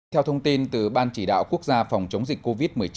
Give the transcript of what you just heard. theo thông tin từ ban chỉ đạo quốc gia phòng chống dịch covid một mươi chín